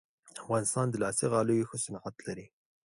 افغانستان د لاسي غالیو ښه صنعت لري